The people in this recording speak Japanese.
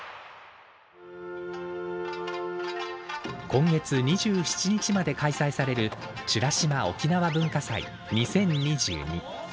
今月２７日まで開催される「美ら島おきなわ文化祭２０２２」。